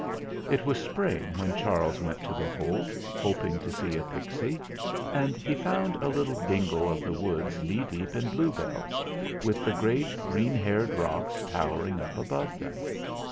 It was Spring when Charles went to the Holt hoping to see a pixie, and he found a little dingle of the woods knee deep in bluebells, with the great green haired rocks towering up above them.